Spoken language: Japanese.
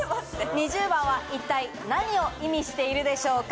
２０番は一体何を意味しているでしょうか？